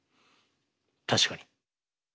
確かに！